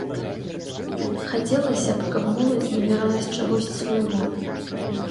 Хацелася б, каб моладзь набіралася чагосьці свайго.